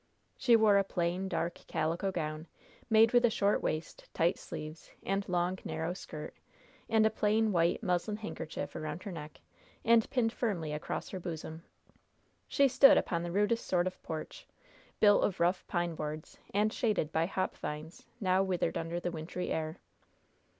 She wore a plain, dark, calico gown, made with a short waist, tight sleeves, and long, narrow skirt, and a plain, white, muslin handkerchief around her neck, and pinned firmly across her bosom. She stood upon the rudest sort of porch, built of rough pine boards, and shaded by hop vines, now withered under the wintry air.